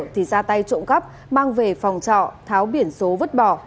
thì ra tay trộm cắp mang về phòng trọ tháo biển số vứt bỏ